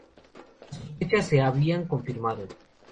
Las sospechas se habían confirmado.